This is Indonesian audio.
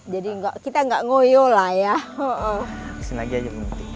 jadi kita nggak ngoyo lah ya